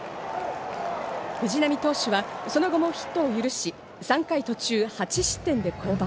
藤浪投手は、その後もヒットを許し、３回途中８失点で降板。